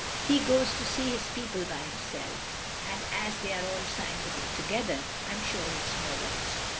He goes to see his people by himself, and as they are all scientific together, I 'm sure it 's no loss.